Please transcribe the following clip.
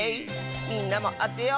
みんなもあてようね！